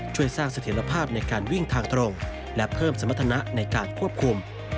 ช่วยสร้างเสถียรภาพในการวิ่งทางตรงและเพิ่มสมรรถนะในการควบคุม